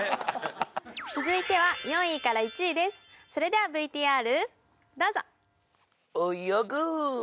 続いては４位から１位ですそれではＶＴＲどうぞ！